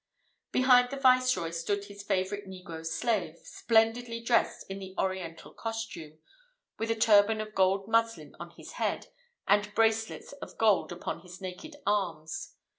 Behind the viceroy stood his favourite negro slave, splendidly dressed in the Oriental costume, with a turban of gold muslin on his head, and bracelets of gold upon his naked arms.